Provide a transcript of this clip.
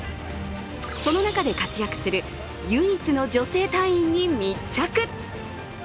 その中で活躍する、唯一の女性隊員に密着。